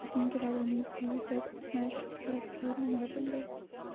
وسیم کے بعد رمیز بھی ڈب اسمیش کلب کے ممبر بن گئے